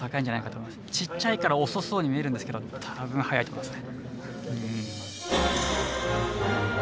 ちっちゃいから遅そうに見えるんですけど多分速いと思いますね。